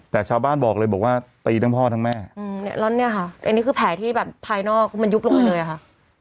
แต่ชาวบ้านบอกเลยบอกว่าตีทั้งพ่อทั้งแม่อืมเนี่ยแล้วเนี่ยค่ะอันนี้คือแผลที่แบบภายนอกมันยุบลงไปเลยอะค่ะ